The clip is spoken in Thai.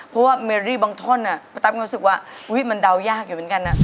เพราะว่าเมรี่บางท่อน่ะประตักคิดว่าอุ้ยมันเดายากอยู่เหมือนกันอะ